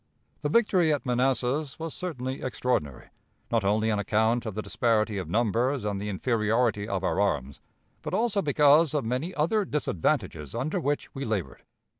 The victory at Manassas was certainly extraordinary, not only on account of the disparity of numbers and the inferiority of our arms, but also because of many other disadvantages under which we labored.